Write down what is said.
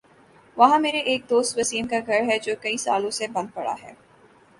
وہاں میرے ایک دوست وسیم کا گھر ہے جو کئی سالوں سے بند پڑا ہے ۔